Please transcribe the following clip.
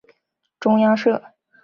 中央社